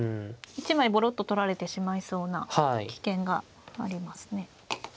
１枚ぼろっと取られてしまいそうな危険がありますね。